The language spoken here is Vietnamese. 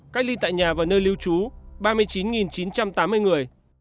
cách ly tại nhà và nơi lưu trú ba mươi chín chín trăm tám mươi người